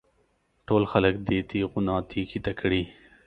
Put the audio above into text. ټول خلک دې تېغونه تېکې ته کړي.